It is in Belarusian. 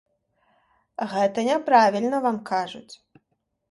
Гэта няправільна вам кажуць.